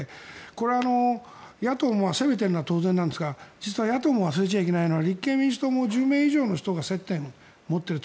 これは野党が責めているのは当然なんですが実は野党も忘れちゃいけないのは立憲民主党も１０名以上の人が接点を持っている。